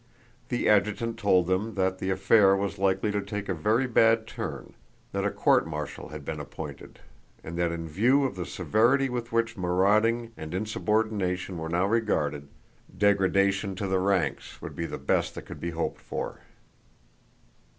The adjutant told them that the affair was likely to take a very bad turn: that a court martial had been appointed, and that in view of the severity with which marauding and insubordination were now regarded, degradation to the ranks would be the best that could be hoped for.